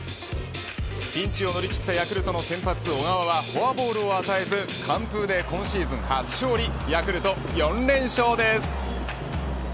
ピンチを乗り切ったヤクルトの先発、小川はフォアボールを与えず完封で今シーズン初勝利ヤクルト４連勝です。